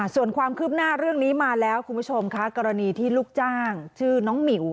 ส่วนความคืบหน้าเรื่องนี้มาแล้วคุณผู้ชมค่ะกรณีที่ลูกจ้างชื่อน้องหมิว